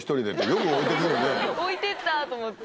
置いてったと思って。